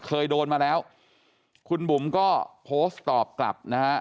เคยโดนมาแล้วคุณบุ๋มก็โพสต์ตอบกลับนะฮะ